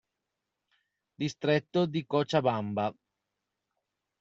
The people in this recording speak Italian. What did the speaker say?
Distretto di Cochabamba